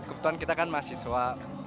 kebetulan kita kan mahasiswa